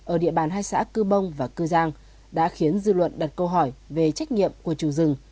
ở địa bàn hai xã cư bông và cư giang đã khiến dư luận đặt câu hỏi về trách nhiệm của chủ rừng